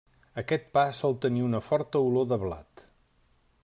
Aquest pa sol tenir una forta olor de blat.